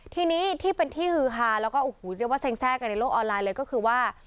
ทีนี้ที่เป็นที่ฮือฮาแล้วก็โอ้โหเรียกว่าเซ็งแร่กันในโลกออนไลน์เลยก็คือว่า